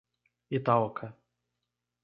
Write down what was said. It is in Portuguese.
Itaoca